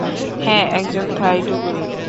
হ্যাঁ, একজন থাই ডুবুরি।